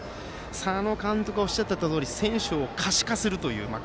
佐野監督がおっしゃていたとおり選手を可視化する。